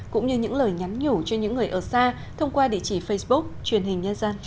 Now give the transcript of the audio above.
cũng như những lời nhắn nhủ cho những người ở xa thông qua địa chỉ facebook truyền hình nhân dân